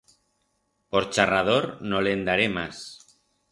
Por charrador no le'n daré mas.